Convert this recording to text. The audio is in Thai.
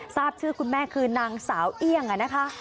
ทราบชื่อคุณแม่คือนางสาวเอี่ยงนะคะ